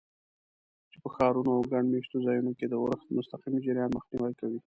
چې په ښارونو او ګڼ مېشتو ځایونو کې د اورښت مستقیم جریان مخنیوی کوي.